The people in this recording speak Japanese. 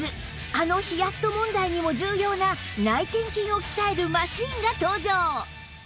あのヒヤッと問題にも重要な内転筋を鍛えるマシンが登場！